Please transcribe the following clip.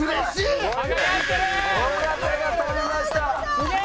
すげえ！